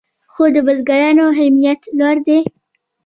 خو د بزګرانو همت لوړ دی.